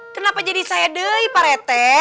kenapa jadi saya deh pak rete